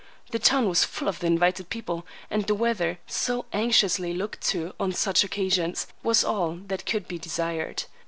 The town was full of the invited people, and the weather, so anxiously looked to on such occasions, was all that could be desired.